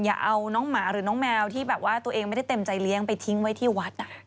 อย่าเอาน้องหมาหรือน้องแมวที่แบบว่าตัวเองไม่ได้เต็มใจเลี้ยงไปทิ้งไว้ที่วัด